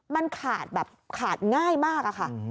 มันขาดแบบขาดง่ายมากอะค่ะ